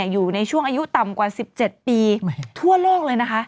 อยู่ในช่วงอายุต่ำกว่า๑๗ปีทั่วโลกเลยนะคะ